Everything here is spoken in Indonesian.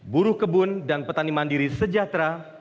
buruh kebun dan petani mandiri sejahtera